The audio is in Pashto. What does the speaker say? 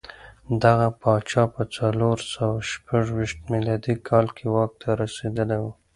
دغه پاچا په څلور سوه شپږ ویشت میلادي کال کې واک ته رسېدلی و